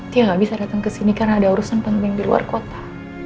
dia gak bisa datang ke sini karena ada urusan penting di luar kota